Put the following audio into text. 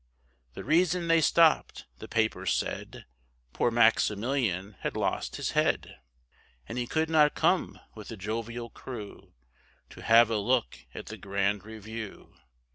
The reason they stopped, the papers said, Poor Maximilian had lost his head, And he could not come with the jovial crew To have a look at the grand review.